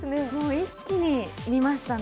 一気に見ましたね。